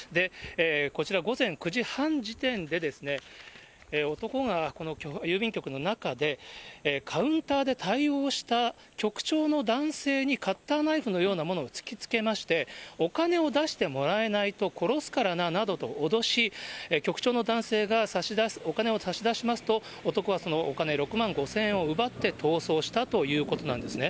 こちら午前９時半時点で、男がこの郵便局の中で、カウンターで対応した局長の男性にカッターナイフのようなものを突きつけまして、お金を出してもらえないと殺すからななどと脅し、局長の男性がお金を差し出しますと、男はそのお金、６万５０００円を奪って逃走したということなんですね。